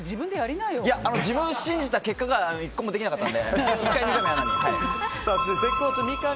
自分を信じた結果が１個もできなかったので。